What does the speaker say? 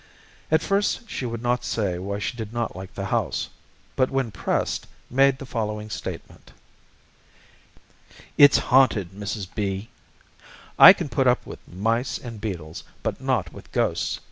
At first she would not say why she did not like the house, but when pressed made the following statement: "It's haunted, Mrs. B . I can put up with mice and beetles, but not with ghosts.